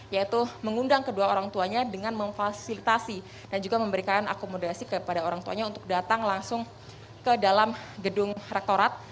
yaitu mengundang kedua orang tuanya dengan memfasilitasi dan juga memberikan akomodasi kepada orang tuanya untuk datang langsung ke dalam gedung rektorat